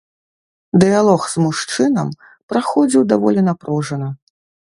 Дыялог з мужчынам праходзіў даволі напружана.